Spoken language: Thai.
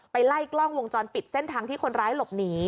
ไล่กล้องวงจรปิดเส้นทางที่คนร้ายหลบหนี